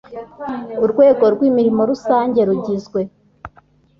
Urwego rw imirimo rusange rugizwe